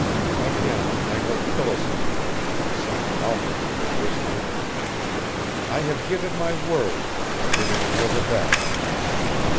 Again I heard Phyllis's voice, sunk almost to a whisper: "I have given my word; it is for the best."